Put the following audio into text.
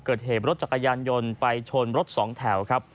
เกิดเหตุรถจักรยานยนต์ไปชนรถสองแถวครับ